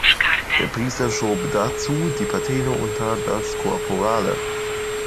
Der Priester schob dazu die Patene unter das Korporale.